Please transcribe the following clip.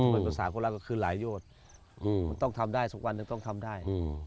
เป็นภาษาคนรักก็คือหลายยอดมันต้องทำได้สักวันหนึ่งต้องทำได้